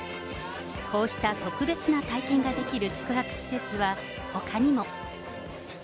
こうした特別な体験ができる宿泊施設は、ほかにも。